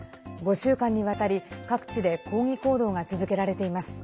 週間にわたり各地で抗議行動が続けられています。